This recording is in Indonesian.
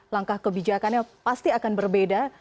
langkah kebijakannya pasti akan berbeda